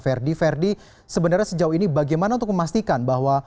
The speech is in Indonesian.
verdi verdi sebenarnya sejauh ini bagaimana untuk memastikan bahwa